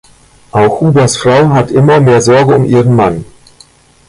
Auch Hubers Frau hat immer mehr Sorge um ihren Mann.